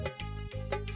mas rangga mau bantu